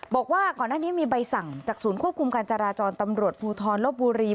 บอกว่าก่อนหน้านี้มีใบสั่งจากศูนย์ควบคุมการจราจรตำรวจภูทรลบบุรี